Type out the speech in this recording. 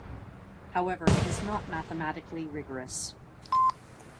However, it is not mathematically rigorous.